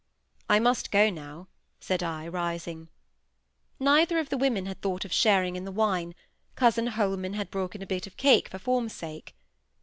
"I must go now," said I, rising. Neither of the women had thought of sharing in the wine; cousin Holman had broken a bit of cake for form's sake.